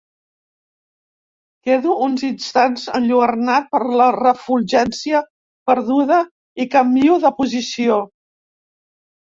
Quedo uns instants enlluernat per la refulgència perduda i canvio de posició.